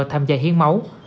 tham gia hiến máu